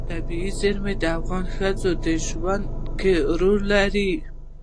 طبیعي زیرمې د افغان ښځو په ژوند کې رول لري.